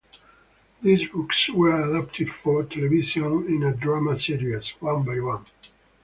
These books were adapted for Television in a drama series, "One by One".